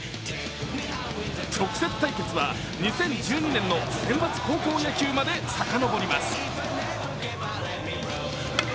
直接対決は２０１２年の選抜高校野球までさかのぼります。